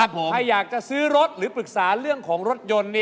ใครอยากจะซื้อรถหรือปรึกษาเรื่องของรถยนต์